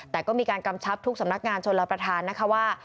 แต่ก็มีการกำชับทุกสำนักงานชนรับประทานนะคะว่า